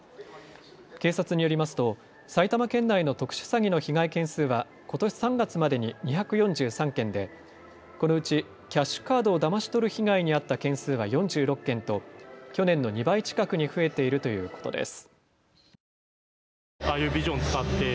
警察によりますと埼玉県内の特殊詐欺の被害件数はことし３月までに２４３件でこのうちキャッシュカードをだまし取る被害に遭った件数は４６件と去年の２倍近くに増えているということです。